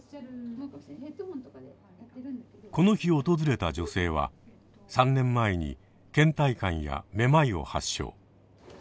この日訪れた女性は３年前にけん怠感やめまいを発症。